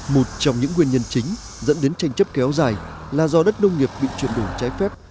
một trong những nguyên nhân chính dẫn đến tranh chấp kéo dài là do đất nông nghiệp bị chuyển đổi trái phép